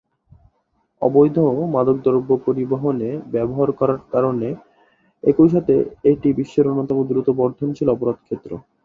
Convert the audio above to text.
অবৈধ মাদকদ্রব্য পরিবহনে ব্যবহার করার কারণে একই সাথে এটি বিশ্বের অন্যতম দ্রুত বর্ধনশীল অপরাধ ক্ষেত্র।